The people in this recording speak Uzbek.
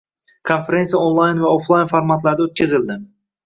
Konferensiya onlayn va oflayn formatlarda oʻtkazildi